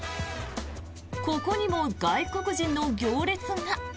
ここにも外国人の行列が。